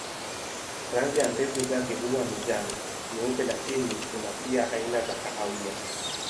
Rangi ya mbegu zake huwa ni njano, nyeupe lakini kuna pia aina za kahawia.